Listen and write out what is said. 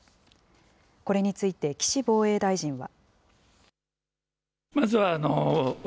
これについて、岸防衛大臣は。